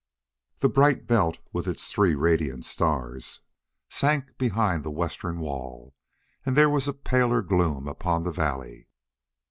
The bright belt with its three radiant stars sank behind the western wall and there was a paler gloom upon the valley.